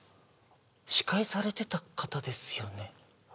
司会されてた方ですよね？